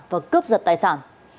và cướp giật tài sản